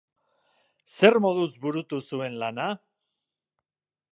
Zer moduz burutu zuen lana?